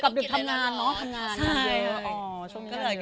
กลับดึกทำงานเนอะทำงานเยอะ